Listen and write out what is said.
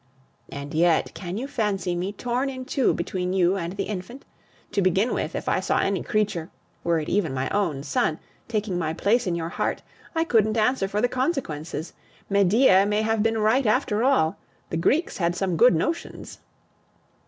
And yet, can you fancy me torn in two between you and the infant? To begin with, if I saw any creature were it even my own son taking my place in your heart, I couldn't answer for the consequences. Medea may have been right after all. The Greeks had some good notions!"